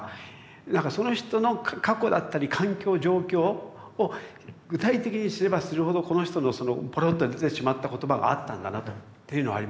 なんかその人の過去だったり環境状況を具体的に知れば知るほどこの人のぽろっと出てしまった言葉があったんだなというのはありますよね。